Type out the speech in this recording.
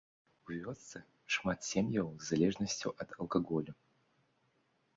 У вёсцы шмат сем'яў з залежнасцю ад алкаголю.